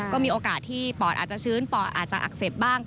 ก็มีโอกาสที่ปอดอาจจะชื้นปอดอาจจะอักเสบบ้าง